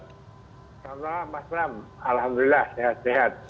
selamat malam pak fahmi alhamdulillah sehat sehat